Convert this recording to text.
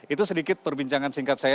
itu sedikit perbincangan singkat saya